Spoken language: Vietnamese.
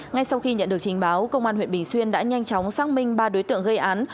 ngay sau khi nhận được trình báo công an huyện bình xuyên đã nhanh chóng xác minh ba đối tượng gây án